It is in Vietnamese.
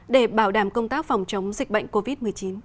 để bảo đảm công tác phòng chống dịch bệnh covid một mươi chín